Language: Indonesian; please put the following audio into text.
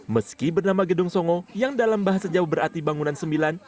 meski bernama gedung songo yang dalam bahasa jawa berarti bangunan sembilan